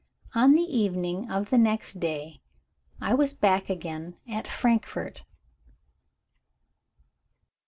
On the evening of the next day, I was back again at Frankfort.